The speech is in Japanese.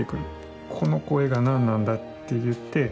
「この声が何なんだ？」って言って。